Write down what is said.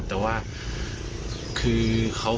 แต่ว่า